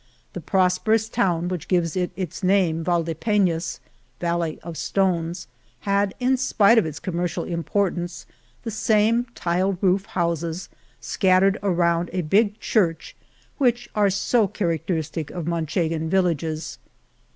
The prosperous town which gives it its name Valdepenas (Valley of Stones) had; in spite of its com mercial importance, the same tiled roof houses scattered around a big church, which are so characteristic of Manchegan villages.